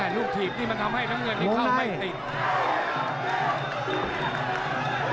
ลูกถีบนี่มันทำให้น้ำเงินนี้เข้าไม่ติด